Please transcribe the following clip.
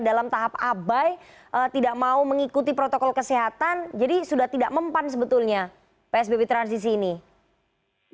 dalam tahap abai tidak mau mengikuti protokol kesehatan jadi sudah tidak mempan sebetulnya psbb transisi ini